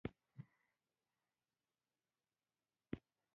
هندوکش د افغانستان د بڼوالۍ برخه ده.